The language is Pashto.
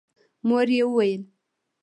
مور يې وويل: